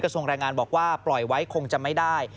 ส่วนแรงงานบอกว่าปล่อยไว้คงจะไม่ได้